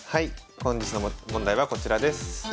本日の問題はこちらです。